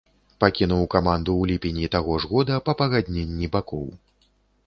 Пакінуў каманду ў ліпені таго ж года па пагадненні бакоў.